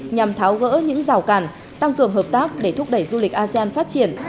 nhằm tháo gỡ những rào cản tăng cường hợp tác để thúc đẩy du lịch asean phát triển